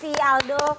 terima kasih aldo